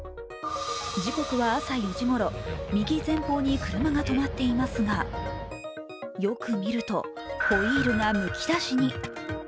時刻は朝４時ごろ、右前方に車が止まっていますが、よく見ると、ホイールがむき出しに。